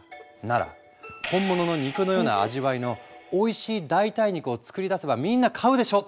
なら本物の肉のような味わいのおいしい代替肉を作り出せばみんな買うでしょ！